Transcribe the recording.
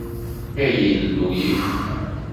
A Illu-iw!